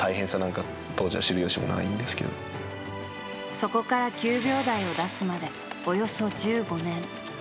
そこから９秒台を出すまでおよそ１５年。